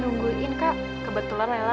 nungguin kak kebetulan lela